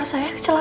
si buruk rupa